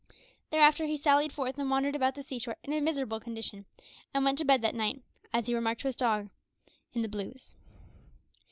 Thereafter he sallied forth and wandered about the sea shore in a miserable condition, and went to bed that night as he remarked to his dog in the blues.